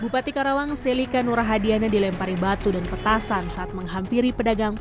bupati karawang selika nurahadiana dilempari batu dan petasan saat menghampiri pedagang